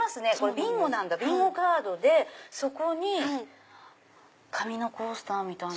ビンゴカードでそこに紙のコースターみたいな。